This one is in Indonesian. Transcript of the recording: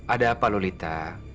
ada apa lolita